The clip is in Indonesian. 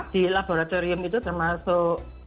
di laboratorium itu termasuk